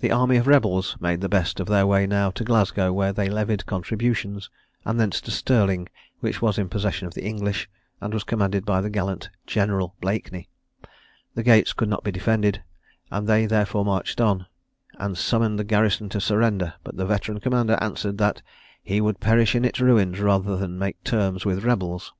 The army of rebels made the best of their way now to Glasgow, where they levied contributions, and thence to Stirling, which was in possession of the English, and was commanded by the gallant General Blakeney. The gates could not be defended, and they therefore marched in, and summoned the garrison to surrender; but the veteran commander answered that "he would perish in its ruins rather than make terms with rebels."